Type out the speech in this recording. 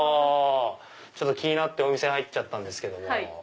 気になってお店入っちゃったんですけども。